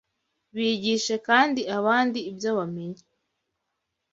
bigishe kandi abandi ibyo bamenye